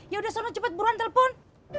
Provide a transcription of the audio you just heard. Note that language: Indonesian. yaudah sono cepet buruan telepon